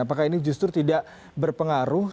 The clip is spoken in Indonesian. apakah ini justru tidak berpengaruh